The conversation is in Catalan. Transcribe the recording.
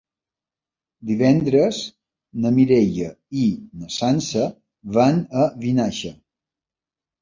Divendres na Mireia i na Sança van a Vinaixa.